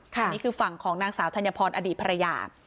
อันนี้คือฝั่งของนางสาวธัญพรอดีตภรรยา